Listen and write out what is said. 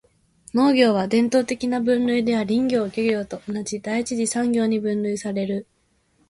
農業は、伝統的な分類では林業・漁業と同じ第一次産業に分類される。